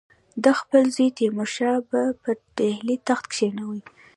ده خپل زوی تیمورشاه به پر ډهلي تخت کښېنوي.